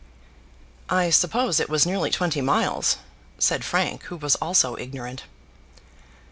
"I suppose it was nearly twenty miles," said Frank, who was also ignorant.